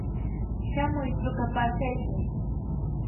shamuy trukapashayki.